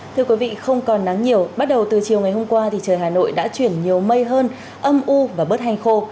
thưa quý vị không còn nắng nhiều bắt đầu từ chiều ngày hôm qua thì trời hà nội đã chuyển nhiều mây hơn âm u và bớt hành khô